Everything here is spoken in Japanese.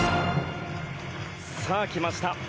さあ、来ました。